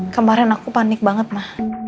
kemarin aku panik banget mah